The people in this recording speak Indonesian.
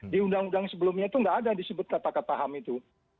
di undang undang sebelumnya itu tidak ada yang disebut kata kata ham itu